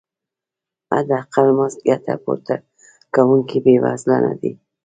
حداقل مزد ګټه پورته کوونکي بې وزله نه دي.